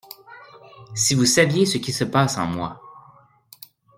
Si vous saviez ce qui se passe en moi.